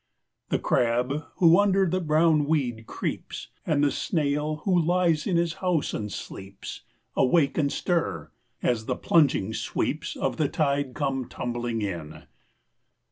The crab who under the brown weed creeps, And the snail who lies in his house and sleeps, Awake and stir, as the plunging sweeps Of the tide come tumbling in.